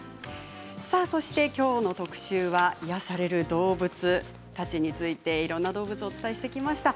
そしてきょうの特集は癒やされる動物たちについていろいろな動物をお伝えしていきました